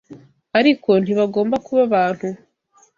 ariko ntibagomba kuba abantu